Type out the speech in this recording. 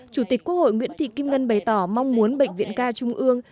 chủ tịch quốc hội nguyễn thị kim ngân bày tỏ mong muốn bệnh viện ca trung ương